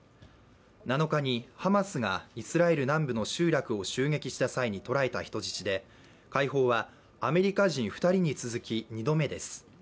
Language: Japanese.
７日にハマスがイスラエル南部の集落を襲撃した際に捕らえた人質で解放はアメリカ人２人に続き２度目です。